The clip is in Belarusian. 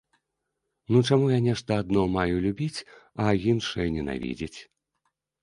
Ну чаму я нешта адно маю любіць, а іншае ненавідзець?